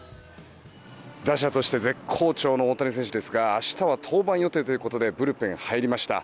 打者として絶好調の大谷選手ですが明日は登板予定ということでブルペンに入りました。